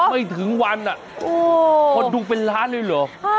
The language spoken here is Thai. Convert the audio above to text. ไม่ถึงวันคนดูเป็นล้านเลยเหรอ